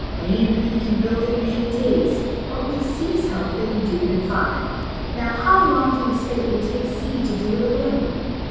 A and B can build it in eight days, but with C s help they can do it in five. Now how long do you say it will take C to do it alone